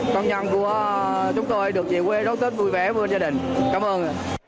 công nhân của chúng tôi được về quê đón tết vui vẻ với gia đình cảm ơn